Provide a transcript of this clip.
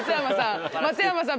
松山さん